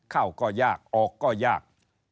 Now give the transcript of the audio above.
เข้าก็ยากออกก็ยาก